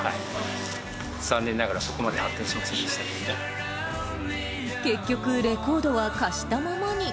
残念ながら、結局、レコードは貸したままに。